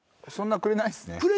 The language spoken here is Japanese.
そんなくれないっすね。